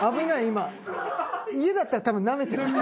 家だったら多分なめてました。